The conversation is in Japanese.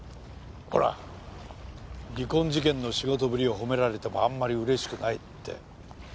ほら離婚事件の仕事ぶりを褒められてもあんまり嬉しくないって。